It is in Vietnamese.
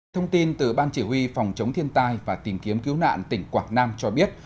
thông tin từ ban chỉ huy phòng chống thiên tai và tìm kiếm cứu nạn tỉnh quảng nam cho biết